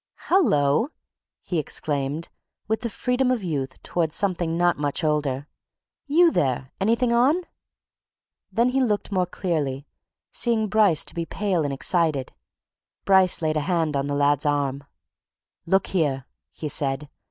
"Hullo!" he exclaimed with the freedom of youth towards something not much older. "You there? Anything on?" Then he looked more clearly, seeing Bryce to be pale and excited. Bryce laid a hand on the lad's arm. "Look here!" he said.